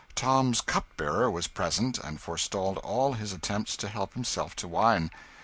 Tom's cupbearer was present, and forestalled all his attempts to help himself to wine.